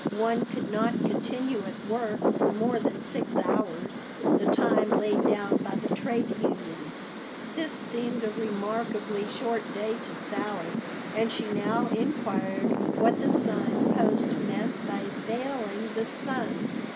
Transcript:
One could not continue at work for more than six hours, the time laid down by the trade unions." This seemed a remarkably short day to Sally, and she now inquired what the Sign Post meant by veiling the sun.